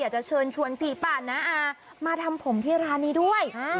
จะเชิญชวนผีป่าน้าอามาทำผมที่ร้านนี้ด้วย